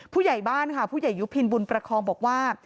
ผู้ใหญ่บ้านค่ะผู้ใหญ่ยุพินบุญประคองบอกว่า